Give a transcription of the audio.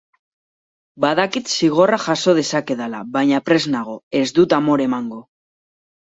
Badakit zigorra jaso dezakedala, baina prest nago, ez dut amore emango.